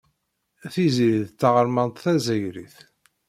Tiziri d taɣermant tazzayrit.